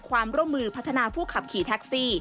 ความร่วมมือพัฒนาผู้ขับขี่แท็กซี่